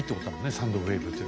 「サンドウェーブ」っていう。